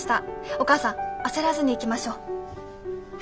お母さん焦らずにいきましょう。